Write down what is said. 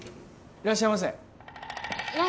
いらっしゃいませ。